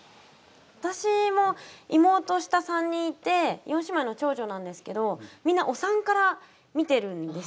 私も妹下３人いて４姉妹の長女なんですけどみんなお産から見てるんですよ。